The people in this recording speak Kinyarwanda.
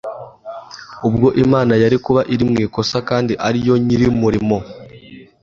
ubwo Imana yari kuba iri mu ikosa, kandi ari yo nyir’umurimo